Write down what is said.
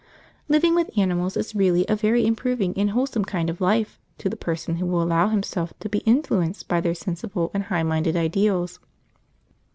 jpg} Living with animals is really a very improving and wholesome kind of life, to the person who will allow himself to be influenced by their sensible and high minded ideals.